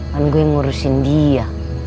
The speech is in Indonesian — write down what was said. kan gue yang ngurusin dia